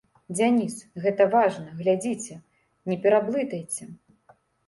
Дзяніс, гэта важна, глядзіце, не пераблытайце.